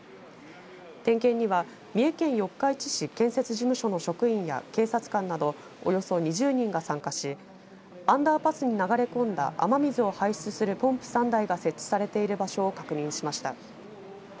点検には三重県四日市市建設事務所の職員や警察官などおよそ２０人が参加しアンダーパスに流れ込んだ雨水を排出するポンプ３台が設置されている場所を確認しました。